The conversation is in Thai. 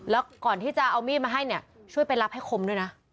แล้วก่อนที่จะเอามีดมาให้เนี่ยช่วยไปรับให้คมด้วยนะ